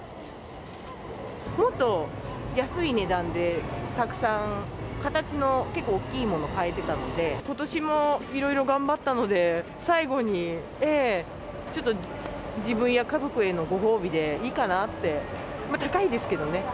もっと安い値段で、たくさん、形の結構大きいものを買えてたので、ことしもいろいろ頑張ったので、最後に、ちょっと自分や家族へのご褒美でいいかなって、高いですけどね。